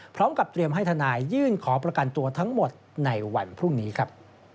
พร้อมกับเตรียมให้ทนายยื่นขอประกันตัวทั้งหมดในวันพรุ่งนี้ครับ